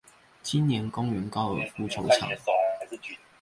青年公園高爾夫球場